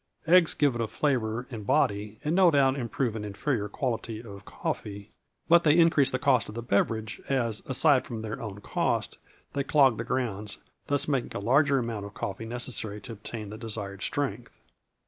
Eggs give it a flavor and body, and, no doubt, improve an inferior quality of coffee; but they increase the cost of the beverage, as, aside from their own cost, they clog the grounds, thus making a larger amount of coffee necessary to obtain the desired strength.